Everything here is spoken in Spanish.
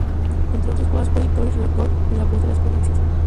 Entre otras cosas fue editor y redactor de "La voz de las provincias".